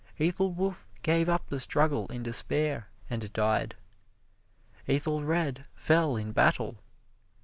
Ethelwulf gave up the struggle in despair and died. Ethelred fell in battle.